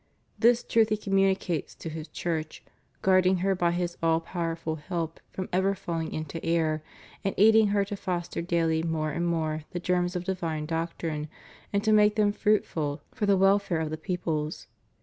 This truth He communicates to His Church, guarding her by His all powerful help from ever falling into error, and aiding her to foster daily more and more the germs of divine doctrine and to make them fruitful for the welfare of the peoples.